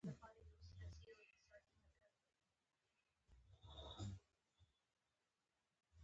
جنوب یې سیمه ییزو پاچاهانو اداره کاوه